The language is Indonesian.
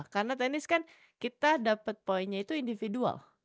karena tenis kan kita dapat poinnya itu individual